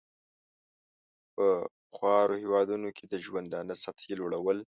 په خوارو هېوادونو کې د ژوندانه سطحې لوړول.